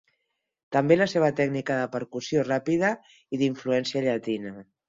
També la seva tècnica de percussió ràpida i d'influència llatina.